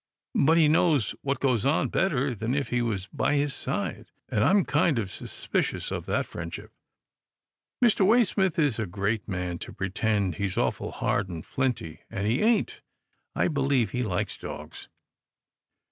But he knows what goes on better than if he was by his side, and I'm kind of suspicious of that friendship. Mr. Waysmith is a great man to pretend he's awful hard and flinty, and he ain't. I believe he likes dogs."